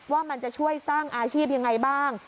ว่ามันจะช่วยสร้างอาชีพยังไงบ้าง